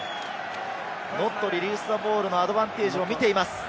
ノットリリースザボールのアドバンテージを見ています。